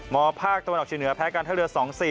ภาคตะวันออกเชียงเหนือแพ้การท่าเรือ๒๔